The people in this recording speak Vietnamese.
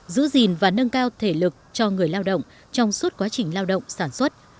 giữ gìn và nâng cao thể lực cho người lao động trong suốt quá trình lao động sản xuất